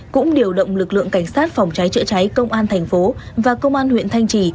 cũng điều động lực lượng cảnh sát phòng cháy chữa cháy công an thành phố và công an huyện thanh trì